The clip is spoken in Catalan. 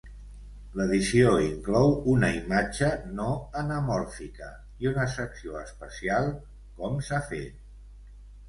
L'edició inclou una imatge no anamòrfica i una secció especial "com-s'ha-fet".